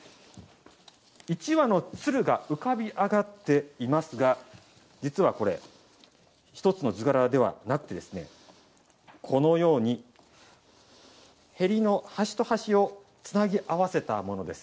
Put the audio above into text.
一羽の鶴が浮かび上がっていますが実はこれ一つの図柄ではなくてこのように縁の端と端をつなぎ合わせたものです。